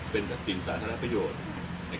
เป็นทัพสินสาระประโยชน์